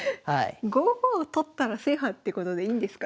５五を取ったら制覇ってことでいいんですか？